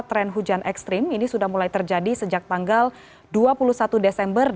tren hujan ekstrim ini sudah mulai terjadi sejak tanggal dua puluh satu desember